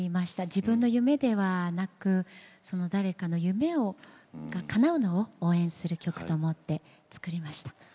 自分の夢ではなく誰かの夢がかなうのを応援する曲だと思って作りました。